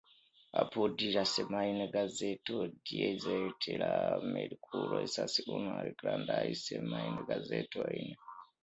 Apud la semajngazeto Die Zeit la Merkuro estas unu el la grandaj semajn-gazetoj.